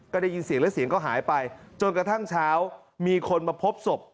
ก็ได้ยินเสียงแล้วเสียงก็หายไปจนกระทั่งเช้ามีคนมาพบศพ